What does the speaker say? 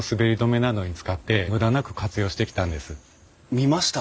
見ました。